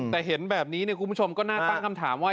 แต่เห็นแบบนี้คุณผู้ชมก็น่าตั้งคำถามว่า